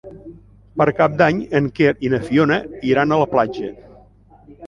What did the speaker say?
Per Cap d'Any en Quer i na Fiona iran a la platja.